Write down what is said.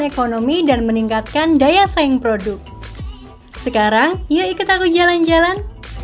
ekonomi dan meningkatkan daya saing produk sekarang yuk ikut aku jalan jalan